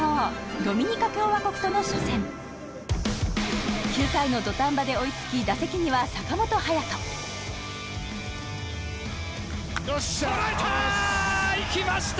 ドミニカ共和国との初戦９回の土壇場で追い付き打席には捉えた！